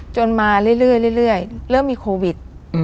มาเรื่อยเริ่มมีโควิด